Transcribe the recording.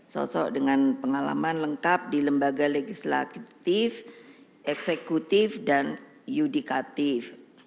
sosok dengan pengalaman lengkap di lembaga legislatif eksekutif dan yudikatif